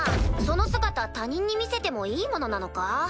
その姿他人に見せてもいいものなのか？